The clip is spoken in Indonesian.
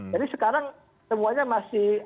jadi sekarang semuanya masih